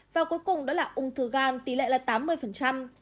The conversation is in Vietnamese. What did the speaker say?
và cuối cùng đó là ung thư gan tỷ lệ là tám mươi